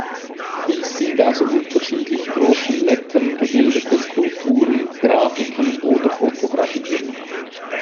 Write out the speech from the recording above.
Dies sind aus unterschiedlich großen Lettern gebildete Skulpturen, Grafiken oder Fotografien.